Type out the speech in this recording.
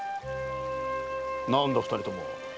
なんだ二人とも。